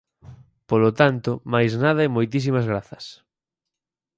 Polo tanto, máis nada e moitísimas grazas.